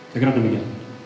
segera tunggu ya